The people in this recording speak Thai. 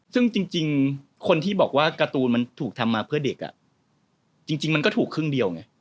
ซึ่งจริงคนที่บอกว่าการ์ตูนมันถูกทำมาเพื่อเด็กจริงมันก็ถูกครึ่งเดียวไง